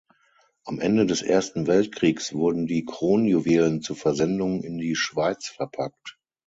Am Ende des Ersten Weltkriegs wurden die Kronjuwelen zur Versendung in die Schweiz verpackt.